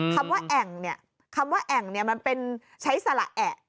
คำว่าแอ่งคำว่าแอ่งมันเป็นใช้สละแอ่